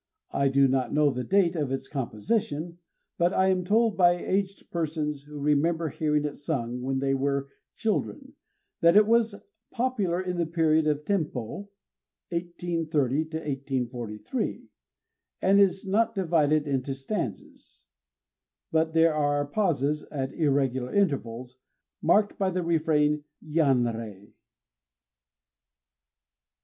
I do not know the date of its composition; but I am told by aged persons who remember hearing it sung when they were children, that it was popular in the period of Tenpô (1830 1843). It is not divided into stanzas; but there are pauses at irregular intervals, marked by the refrain, _Yanrei!